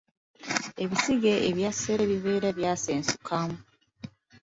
Ebisige ebya ssere bibeera byasensuka.